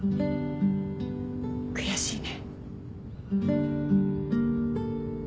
悔しいね。